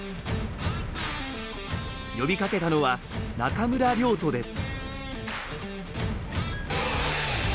呼びかけたのは、中村亮土です。